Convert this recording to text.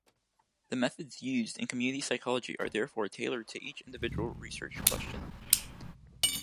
The methods used in community psychology are therefore tailored to each individual research question.